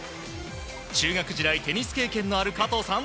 中学時代テニス経験のある加藤さん